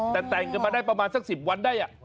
แต่แต่งกันมาได้ประมาณสัก๑๐วันได้